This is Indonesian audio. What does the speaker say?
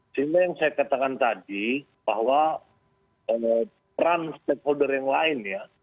sehingga yang saya katakan tadi bahwa peran stakeholder yang lain ya